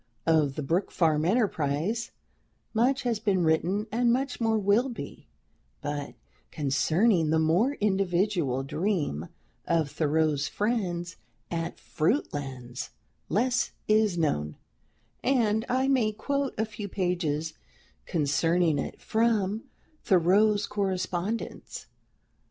Of the Brook Farm enterprise much has been written, and much more will be; but concerning the more individual dream of Thoreau's friends at "Fruitlands," less is known; and I may quote a few pages concerning it from Thoreau's correspondence.